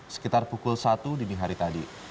sekitar pukul satu dini hari tadi